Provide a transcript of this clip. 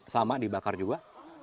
sama dibakar juga